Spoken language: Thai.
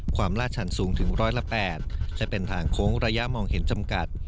ลาดชันสูงถึงร้อยละ๘จะเป็นทางโค้งระยะมองเห็นจำกัด